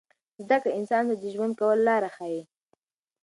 زده کړه انسان ته د ژوند کولو لار ښیي.